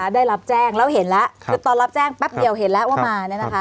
ได้รับแจ้งแล้วเห็นแล้วคือตอนรับแจ้งแป๊บเดียวเห็นแล้วว่ามา